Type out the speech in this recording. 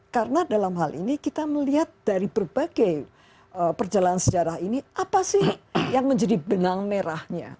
karena dalam hal ini kita melihat dari berbagai perjalanan sejarah ini apa sih yang menjadi benang merahnya